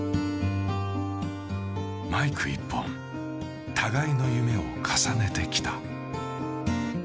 マイク一本、互いの夢を重ねてきた。